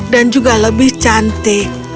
dan juga lebih cantik